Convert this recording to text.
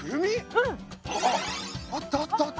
うん。あったあったあった。